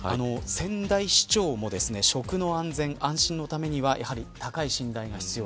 仙台市長も食の安全、安心のためにはやはり、高い信頼が必要。